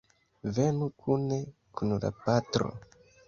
Venu kune kun la patro.